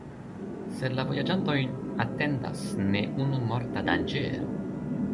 Sed la vojaĝantojn atendas ne unu morta danĝero.